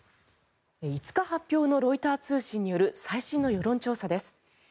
５日発表のロイター通信による最新の世論調査です。